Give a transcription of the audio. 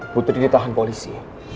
putri ditahan polisi